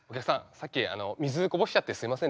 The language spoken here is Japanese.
さっき水こぼしちゃってすいませんでした。